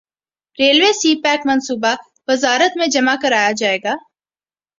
railway CPEC منصوبہ وزارت میں جمع کرایا جائے گا